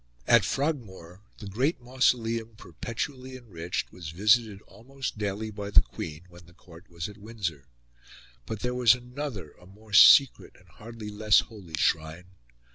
At Frogmore, the great mausoleum, perpetually enriched, was visited almost daily by the Queen when the Court was at Windsor. But there was another, a more secret and a hardly less holy shrine.